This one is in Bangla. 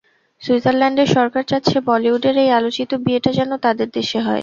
সুইজারল্যান্ডের সরকার চাচ্ছে, বলিউডের এই আলোচিত বিয়েটা যেন তাদের দেশে হয়।